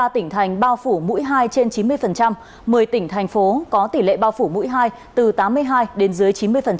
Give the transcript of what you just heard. ba mươi tỉnh thành bao phủ mũi hai trên chín mươi một mươi tỉnh thành phố có tỷ lệ bao phủ mũi hai từ tám mươi hai đến dưới chín mươi